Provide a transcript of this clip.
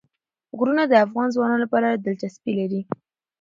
غرونه د افغان ځوانانو لپاره دلچسپي لري.